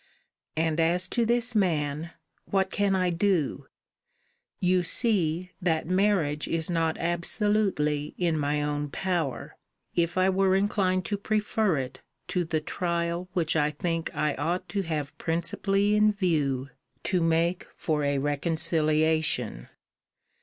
And as to this man, what can I do? You see, that marriage is not absolutely in my own power, if I were inclined to prefer it to the trial which I think I ought to have principally in view to make for a reconciliation.